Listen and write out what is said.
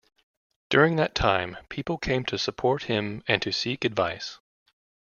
During that time people came to support him and to seek advice.